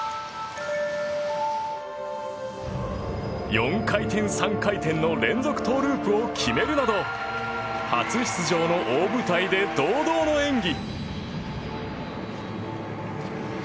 ４回転、３回転の連続トウループを決めるなど初出場の大舞台で堂々の演技。